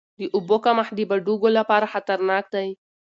د اوبو کمښت د بډوګو لپاره خطرناک دی.